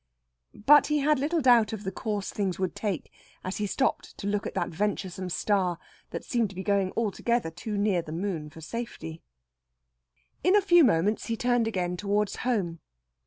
But he had little doubt of the course things would take as he stopped to look at that venturesome star, that seemed to be going altogether too near the moon for safety. In a few moments he turned again towards home.